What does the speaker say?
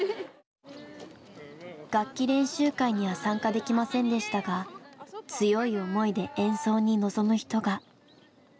楽器練習会には参加できませんでしたが強い思いで演奏に臨む人が。